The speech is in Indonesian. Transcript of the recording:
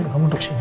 kamu duduk sini